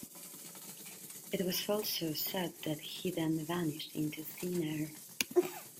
It was also said that he then vanished into thin air.